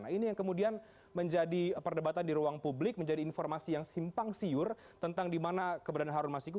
nah ini yang kemudian menjadi perdebatan di ruang publik menjadi informasi yang simpang siur tentang di mana keberadaan harun masiku